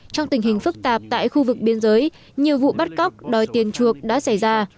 trong tình hình phức tạp tại khu vực biên giới nhiều vụ bắt cóc đòi tiền chuộc đã xảy ra